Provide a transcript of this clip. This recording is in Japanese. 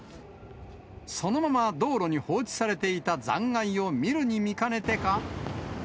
そのまま道路に放置されていた残骸を見るに見かねてか。